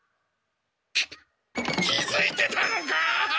き気づいてたのか！